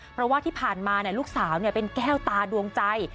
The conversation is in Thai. เพราะว่าที่ผ่านมาลูกสาวเป็นแก้วตาดวงใจ